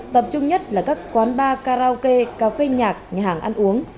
tập trung nhất là các quán bar karaoke cafe nhạc nhà hàng ăn uống